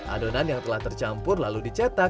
adonan yang telah tercampur lalu dicetak